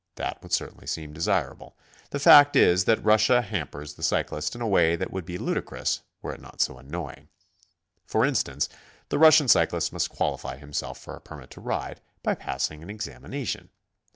That would certainly seem desirable. The fact is that Russia hampers the cyclist in a way that would be ludicrous were it not so annoying. For instance, the Rus sian cyclist must qualify himself for a permit to ride, by passing an examination.